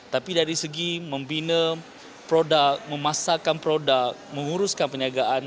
tapi dari segi membina produk memasarkan produk menguruskan perniagaan